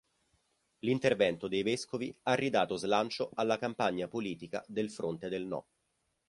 L'intervento dei vescovi ha ridato slancio alla campagna politica del fronte del "no".